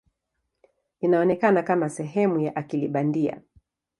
Inaonekana kama sehemu ya akili bandia.